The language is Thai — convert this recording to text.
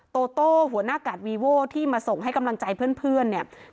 โตโต้หัวหน้ากาดวีโว้ที่มาส่งให้กำลังใจเพื่อนเนี่ย